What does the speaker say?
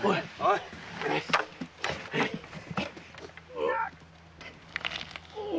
うわっ！